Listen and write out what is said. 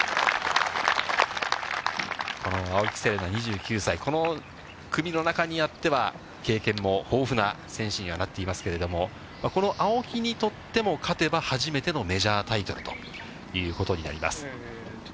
この青木瀬令奈２９歳、この組の中にあっては、経験も豊富な選手にはなっていますけれども、この青木にとっても、勝てば初めてのメジャータイトルということになります。